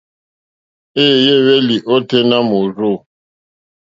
Éèyé éhwélì ôténá mòrzô.